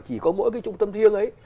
chỉ có mỗi cái trung tâm thiêng ấy